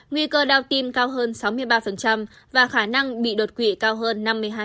nguy cơ đau tim cao hơn sáu mươi ba và khả năng bị đột quỵ cao hơn năm mươi hai